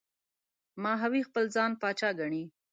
ماهوی خپل ځان پاچا ګڼي.